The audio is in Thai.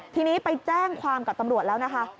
ทีนี้ไปแจ้งความกับตำรวจแล้วนะคะ